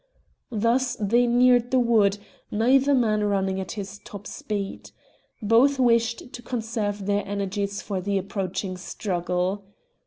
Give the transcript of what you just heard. Thus they neared the wood, neither man running at his top speed. Both wished to conserve their energies for the approaching struggle.